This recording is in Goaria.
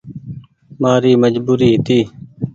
مآري مجبوري هيتي۔